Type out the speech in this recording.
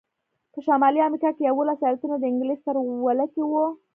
په شمالي امریکا کې یوولس ایالتونه د انګلیس تر ولکې وو.